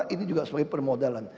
ini juga sebagai permodalan